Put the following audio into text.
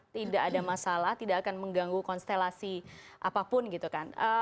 tidak ada masalah tidak akan mengganggu konstelasi apapun gitu kan